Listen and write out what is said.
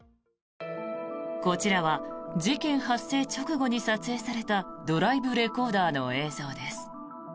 こちらは事件発生直後に撮影されたドライブレコーダーの映像です。